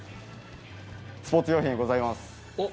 スポーツ用品、あります。